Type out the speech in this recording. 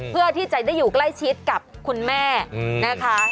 เพื่อที่จะได้อยู่ใกล้ชิดกับคุณแม่นะคะ